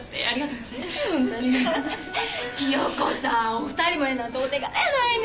お二人もやなんてお手柄やないの。